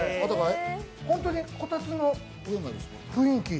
本当にこたつの雰囲気。